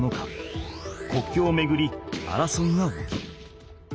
国境をめぐり争いが起きる。